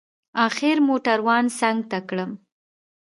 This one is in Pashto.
اخر موټروان څنگ ته کړم.